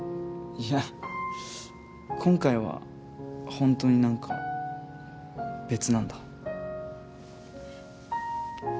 いや今回はほんとに何か別なんだ。